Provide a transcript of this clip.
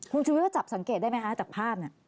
คุณชุวิตก็จับสังเกตได้ไหมคะจากภาพเนี่ย